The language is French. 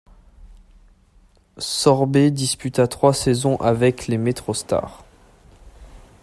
Sorber disputa trois saisons avec les MetroStars.